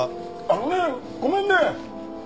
あのねごめんね！